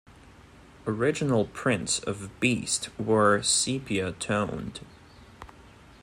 Original prints of "Beast" were sepia toned.